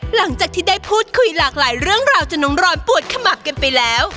หลังจากที่ได้พูดคุยหลากหลายเรื่องราวจนน้องรอยปวดขมับกันไปแล้ว